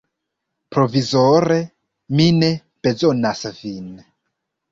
Provizore mi ne bezonas vin.